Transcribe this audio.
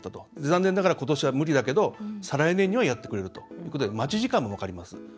残念ながら、ことしは無理だけど再来年にはやってくれるということで待ち時間も分かります。